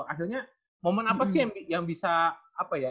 akhirnya momen apa sih yang bisa apa ya